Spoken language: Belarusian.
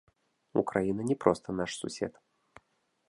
Украіна не проста наш сусед.